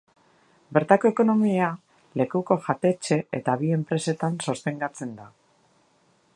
Bertako ekonomia, lekuko jatetxe eta bi enpresetan sostengatzen da.